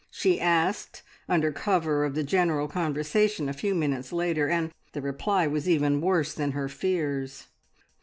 she asked under cover of the general conversation a few minutes later, and the reply was even worse than her fears.